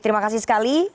terima kasih sekali